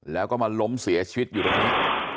แล้วก็มาล้มเสียชีวิตอยู่ตรงนี้